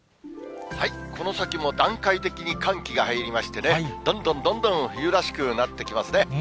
この先も段階的に寒気が入りましてね、どんどんどんどん冬らしくなってきますね。